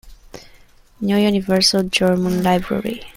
New Universal German Library.